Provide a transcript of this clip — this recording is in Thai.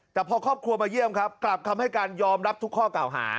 แต่พอครอบครัวมาเยี่ยมครับกลับคำให้การยอมรับทุกข้อเก่าหา